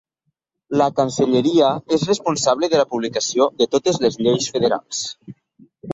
La cancelleria és responsable de la publicació de totes les lleis federals.